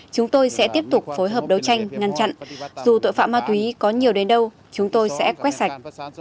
chúng tôi sẽ tiếp tục phối hợp đấu tranh ngăn chặn dù tội phạm ma túy có nhiều đến đâu chúng tôi sẽ quét sạch